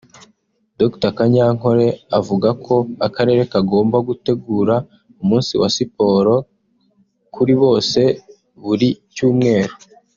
Dr Kanyankore avuga ko akarere kagomba gutegura umunsi wa siporo kuri bose buri cyumweru